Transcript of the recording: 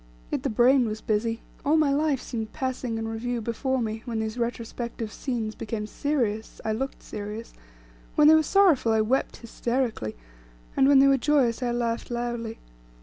Yet the brain was busy; all my life seemed passing in review before me; when these retrospective scenes became serious, I looked serious; when they were sorrowful, I wept hysterically; when they were joyous, I laughed loudly.